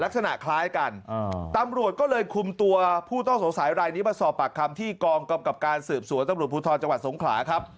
ลักษณะคล้ายกันตำรวจก็เลยคุมตัวผู้ต้องสงสัยรายนี้มาสอบปากคำที่กองกำกับการสืบสวนตำรวจภูทรจังหวัดสงขลาครับ